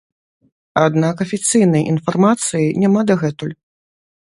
Аднак афіцыйнай інфармацыі няма дагэтуль.